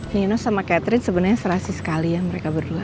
nino sama catherine sebenarnya serasi sekali ya mereka berdua